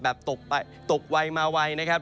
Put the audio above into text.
ตกไวมาไวนะครับ